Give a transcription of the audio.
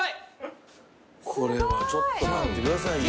これはちょっと待ってくださいよ。